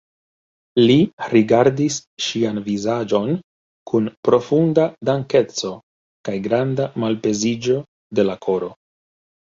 Li rigardis ŝian vizaĝon kun profunda dankeco kaj granda malpeziĝo de la koro.